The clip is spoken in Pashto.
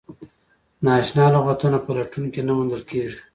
نا اشنا لغتونه په لټون کې نه موندل کیږي.